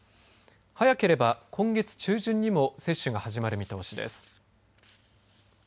早ければ今月中旬にも接種が始まる見通しです。